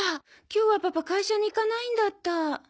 今日はパパ会社に行かないんだった。